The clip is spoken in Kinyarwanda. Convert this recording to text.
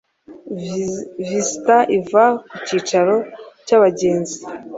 vista iva ku cyicaro cy'abagenzi